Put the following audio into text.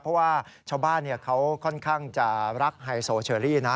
เพราะว่าชาวบ้านเขาค่อนข้างจะรักไฮโซเชอรี่นะ